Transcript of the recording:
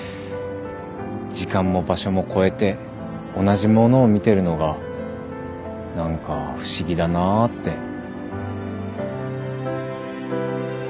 時間も場所も越えて同じものを見てるのが何か不思議だなぁって。